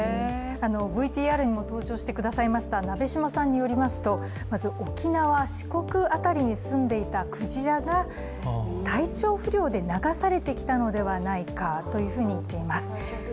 ＶＴＲにも登場してくださいました鍋島さんによりますとまず沖縄、四国辺りに住んでいたクジラが体調不良で流されてきたのではないかというふうに言っています。